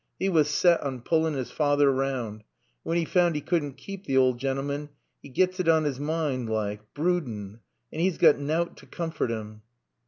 'E was set on pullin' 's feyther round. And when 'e found 'e couldn't keep t' owd gentleman, 'e gets it on 'is mind like broodin'. And 'e's got nowt to coomfort 'im."